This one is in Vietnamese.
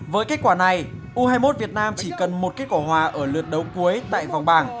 với kết quả này u hai mươi một việt nam chỉ cần một kết quả hòa ở lượt đấu cuối tại vòng bảng